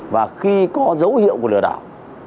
và khi có dấu hiệu của lừa đảo